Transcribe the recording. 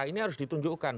ini harus ditunjukkan